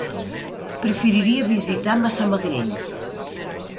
Preferiria visitar Massamagrell.